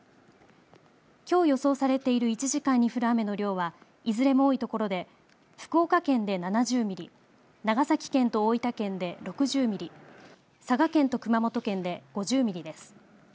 きょう予想されている１時間に降る雨の量はいずれも多いところで福岡県で７０ミリ、長崎県と大分県で６０ミリ、佐賀県と熊本県で５０ミリです。